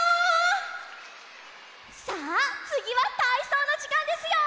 さあつぎはたいそうのじかんですよ！